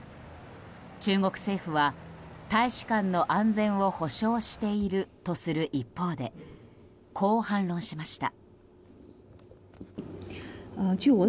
中国政府は大使館の安全を保障しているとする一方でこう反論しました。